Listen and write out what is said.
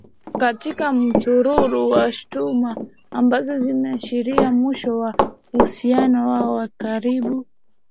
katika msururu wa shutuma ambazo zimeashiria mwisho wa uhusiano wao wa karibu